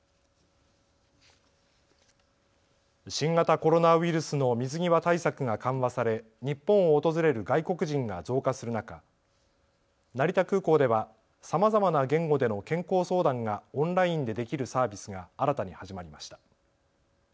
新型コロナウイルスの水際対策が緩和され日本を訪れる外国人が増加する中、成田空港ではさまざまな言語での健康相談がオンラインでできるサービスが新たに始まりました。